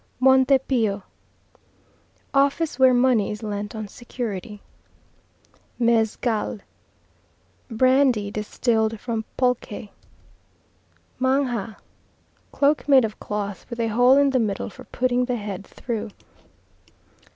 Monte Pio Office where money is lent on security. Mezcal Brandy distilled from pulque. Manga Cloak made of cloth, with a hole in the middle for putting the head through.